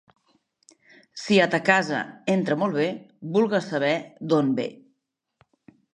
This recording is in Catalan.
Si a ta casa entra molt bé vulgues saber d'on ve.